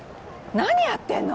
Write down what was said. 何やってんの？